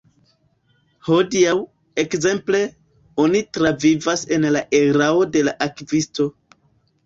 Hodiaŭ, ekzemple, oni travivas en la erao de la Akvisto.